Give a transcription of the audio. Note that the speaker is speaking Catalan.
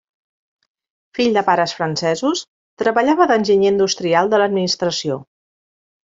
Fill de pares francesos treballava d'enginyer industrial de l'administració.